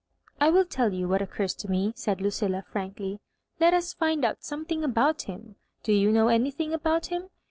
"I will tell you what occurs to me," said Lucilla, frankly. ^Le.t us find out something about him. Do you know anything about him?